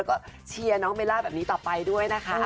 แล้วก็เชียร์น้องเบลล่าแบบนี้ต่อไปด้วยนะคะ